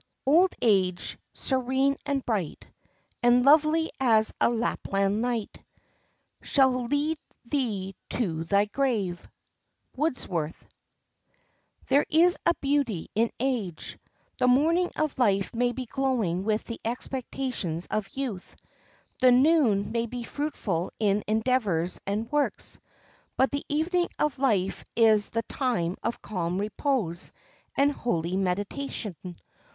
] "Old age, serene and bright, And lovely as a Lapland night, Shall lead thee to thy grave." —WORDSWORTH. There is a beauty in age. The morning of life may be glowing with the expectations of youth; the noon may be fruitful in endeavors and works; but the evening of life is the time of calm repose and holy meditation.